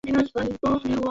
আপনি দেখছেন না আমাকে?